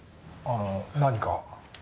あの何か？